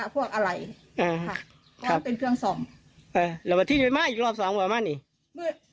ไปมาอีกรอบ๒มาอีก